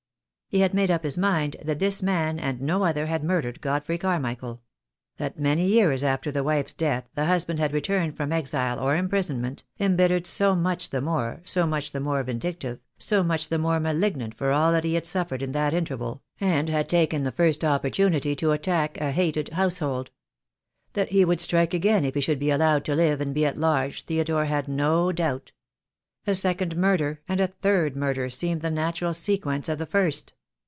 He had made up his mind that this man and no other had murdered Godfrey Carmichael — that many years after the wife's death the husband had returned from exile or imprisonment, embittered so much the more, so much the more vindictive, so much the more malignant for all that he had suffered in that interval, and had taken the first opportunity to attack a hated household. That he would strike again if he should be allowed to live and be at large Theodore had no doubt. A second murder, and a third murder, seemed the natural sequence of the first.